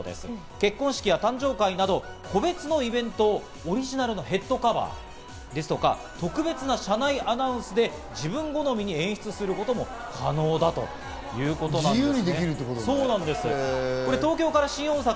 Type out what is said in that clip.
結婚式や誕生会など個別のイベントをオリジナルのヘッドカバーですとか、特別な車内アナウンスで自分好みに演出することも可能だということなんです。